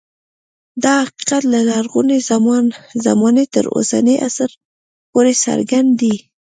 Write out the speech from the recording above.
دا حقیقت له لرغونې زمانې تر اوسني عصر پورې څرګند دی